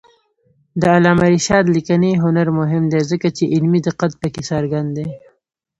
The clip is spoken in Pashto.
د علامه رشاد لیکنی هنر مهم دی ځکه چې علمي دقت پکې څرګند دی.